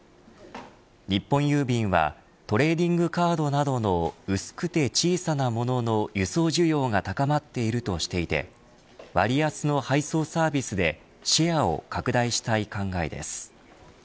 日本郵便はトレーディングカードなどの薄くて小さなものの輸送需要が高まっているとしていて割安の配送サービスでシェアを拡大したい考えです。